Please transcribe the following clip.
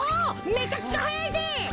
めちゃくちゃはやいぜ。